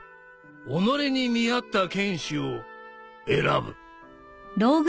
己に見合った剣士を選ぶ！